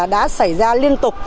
đã xảy ra liên tục